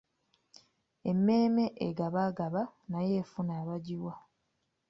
Emmeeme egabaagaba nayo efuna abagiwa.